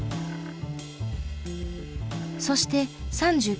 そして３９歳。